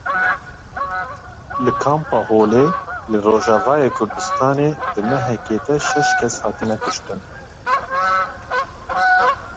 Li Kampa Holê li Rojavayê Kurdistanê di mehekê de şeş kes hatine kuştin.